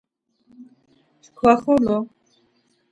Çkvaxolo.